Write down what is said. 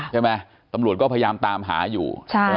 ใช่ไหมตำรวจก็พยายามตามหาอยู่